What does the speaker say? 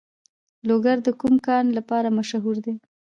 لوګر د کوم کان لپاره مشهور دی؟